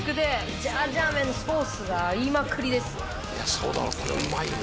そうだろこれうまいよ。